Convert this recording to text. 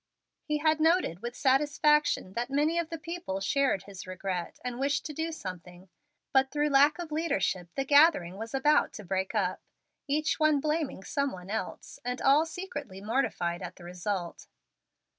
He had noticed, with satisfaction, that many of the people shared his regret, and wished to do something, but through lack of leadership the gathering was about to break up, each one blaming some one else, and all secretly mortified at the result.